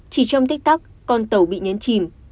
chỉ trong tích tắc con tàu bị nhấn chìm